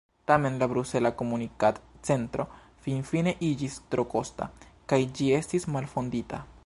Tamen la Brusela Komunikad-Centro finfine iĝis tro kosta, kaj ĝi estis malfondita.